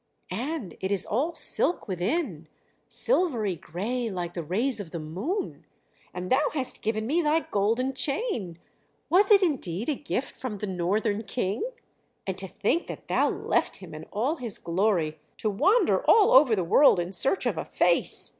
"And it is all silk within, silvery grey, like the rays of the moon! And thou hast given me thy golden chain! Was it indeed a gift from the northern King? And to think that thou left him and all his glory to wander all over the world in search of a face!